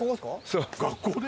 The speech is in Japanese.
学校で！？